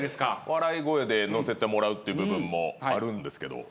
笑い声で乗せてもらう部分もあるんですけど。